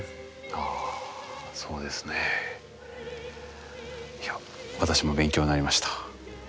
あそうですねえ。いや私も勉強になりました。